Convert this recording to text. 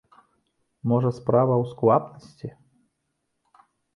Можа, справа ў сквапнасці?